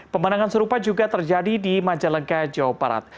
pemenangan serupa juga terjadi di majalega jawa barat